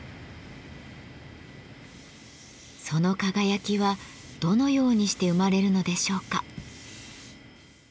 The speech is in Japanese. その輝きはどのようにして生まれるのでしょうか。